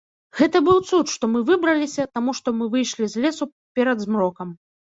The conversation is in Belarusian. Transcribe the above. Гэта быў цуд, што мы выбраліся, таму што мы выйшлі з лесу перад змрокам.